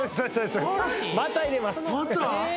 また入れます